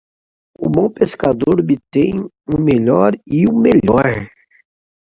O bom pescador obtém o melhor e o melhor.